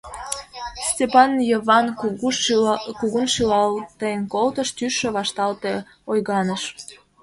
Стапан Йыван кугун шӱлалтен колтыш, тӱсшӧ вашталте, ойганыш.